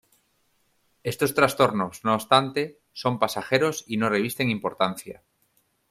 Estos trastornos, no obstante, son pasajeros y no revisten importancia.